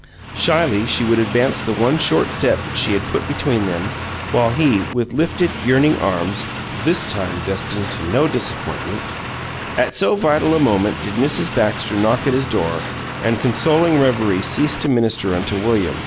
Shyly she would advance the one short step she had put between them, while he, with lifted, yearning arms, this time destined to no disappointment At so vital a moment did Mrs. Baxter knock at his door and consoling reverie cease to minister unto William.